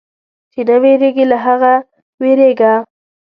چې نه وېرېږي، له هغه وېرېږه.